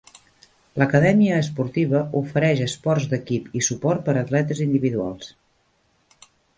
L'Acadèmia Esportiva ofereix esports d'equip i suport per a atletes individuals.